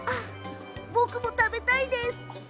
僕も食べたいです！